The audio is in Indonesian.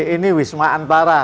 ini wisma antara